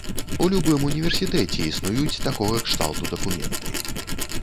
У любым універсітэце існуюць такога кшталту дакументы.